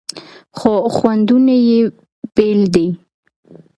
خو خوندونه یې بیل دي.